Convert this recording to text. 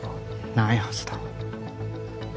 ないはずだ